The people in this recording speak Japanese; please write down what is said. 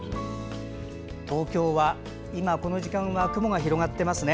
東京は、今この時間は雲が広がっていますね。